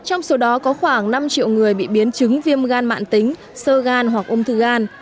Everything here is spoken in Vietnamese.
trong số đó có khoảng năm triệu người bị biến chứng viêm gan mạng tính sơ gan hoặc ung thư gan